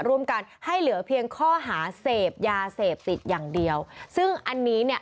ร่วมกันให้เหลือเพียงข้อหาเสพยาเสพติดอย่างเดียวซึ่งอันนี้เนี่ย